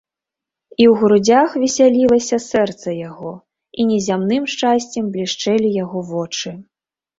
І ў грудзях весялілася сэрца яго, і незямным шчасцем блішчэлі яго вочы.